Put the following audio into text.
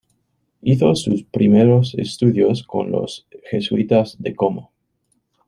Hizo sus primeros estudios con los jesuitas de Como.